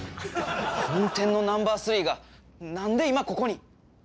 本店のナンバー３が何で今ここに。